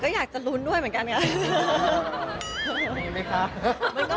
ก็อยากจะลุ้นด้วยเหมือนกันค่ะ